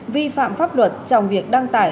vi phạm pháp luật trong việc đăng tải